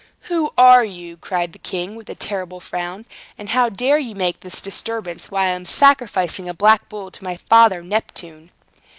"Who are you?" cried the king, with a terrible frown. "And how dare you make this disturbance, while I am sacrificing a black bull to my father Neptune?"